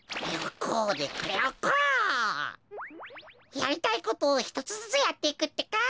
やりたいことをひとつずつやっていくってか！